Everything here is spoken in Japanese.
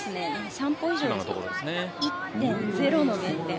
３歩以上だと１．０の減点。